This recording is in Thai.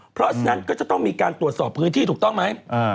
เพราะฉะนั้นก็จะต้องมีการตรวจสอบพื้นที่ถูกต้องไหม